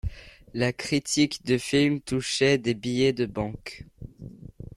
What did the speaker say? La critique de films touchait des billets de banque.